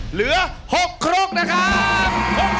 เหลือ๖ครกนะครับ